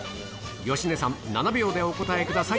芳根さん、７秒でお答えください。